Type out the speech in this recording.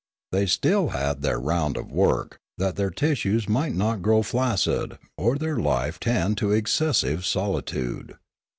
They still had their round of work, that their tissues might not grow flaccid, or their life tend to excessive solitude.